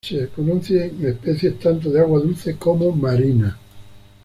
Se conocen especies tanto de agua dulce como marinas.